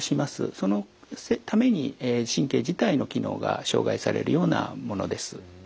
そのために神経自体の機能が障害されるようなものです。